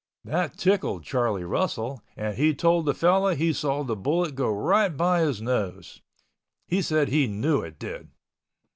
That tickled Charlie Russell and he told the fellow he saw the bullet go right by his nose. He said he knew it did.